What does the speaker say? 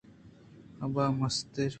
ابّا مستر